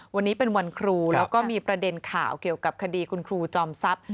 วันนี้เป็นวันครูแล้วก็มีประเด็นข่าวเกี่ยวกับคดีคุณครูจอมทรัพย์